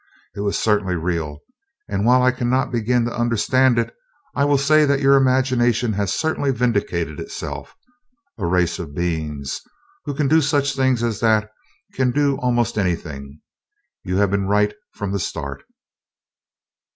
It was certainly real, and while I cannot begin to understand it, I will say that your imagination has certainly vindicated itself. A race of beings, who can do such things as that, can do almost anything you have been right, from the start."